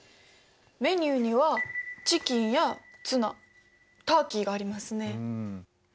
メニューにはチキンやツナターキーがありますね。